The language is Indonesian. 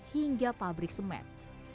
hingga pabrik semen